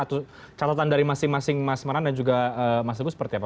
atau catatan dari masing masing mas manan dan juga mas teguh seperti apa